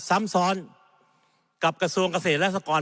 ซ้ำซ้อนกับกระทรวงเกษตรและสกร